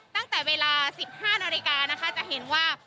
ตั้งแต่เวลา๑๕นาฬิกานะคะจะเห็นว่า